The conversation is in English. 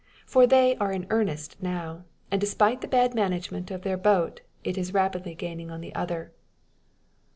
For they are in earnest now; and, despite the bad management of their boat, it is rapidly gaining on the other.